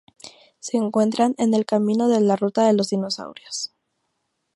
Se encuentra en el camino de la "Ruta de los dinosaurios".